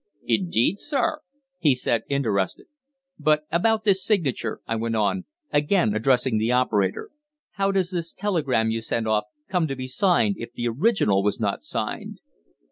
"Indeed, sir?" he said, interested. "But about this signature," I went on, again addressing the operator. "How does this telegram you sent off come to be signed if the original was not signed?"